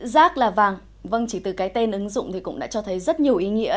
rác là vàng vâng chỉ từ cái tên ứng dụng thì cũng đã cho thấy rất nhiều ý nghĩa